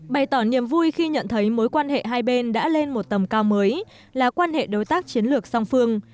bày tỏ niềm vui khi nhận thấy mối quan hệ hai bên đã lên một tầm cao mới là quan hệ đối tác chiến lược song phương